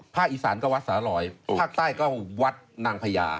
อีสานก็วัดสาลอยภาคใต้ก็วัดนางพญา